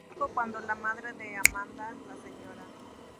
Sin embargo, cuando la madre de Amanda, la Sra.